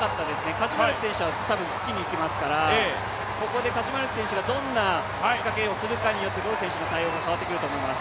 カチュマレク選手はたぶんつきにいきますから、ここでカチュマレク選手がどんな仕掛けをするかによってボル選手の対応が変わってくると思います。